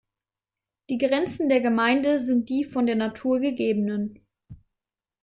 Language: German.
Die Grenzen der Gemeinde sind die von der Natur gegebenen.